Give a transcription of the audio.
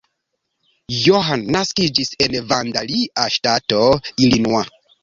John naskiĝis en Vandalia, ŝtato Illinois.